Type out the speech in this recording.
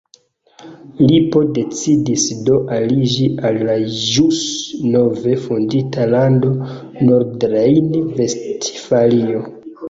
Lipo decidis do aliĝi al la ĵus nove fondita lando Nordrejn-Vestfalio.